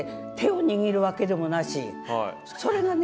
それがね